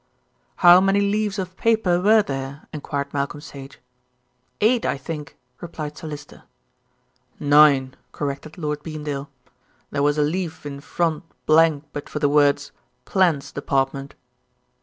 "How many leaves of paper were there?" enquired Malcolm Sage. "Eight, I think," replied Sir Lyster. "Nine," corrected Lord Beamdale. "There was a leaf in front blank but for the words, 'Plans Department.'"